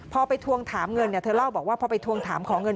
พอไปทวงถามเงินเธอเล่าบอกว่าพอไปทวงถามขอเงิน